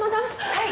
はい。